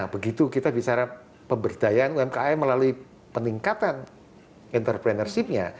begitu kita bicara pemberdayaan umkm melalui peningkatan entrepreneurship nya